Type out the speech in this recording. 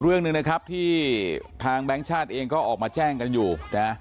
เรื่องหนึ่งนะครับที่ทางแบงค์ชาติเองก็ออกมาแจ้งกันอยู่นะ